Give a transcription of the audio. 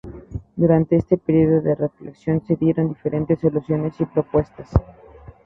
Durante este "período de reflexión", se dieron diferentes soluciones y propuestas.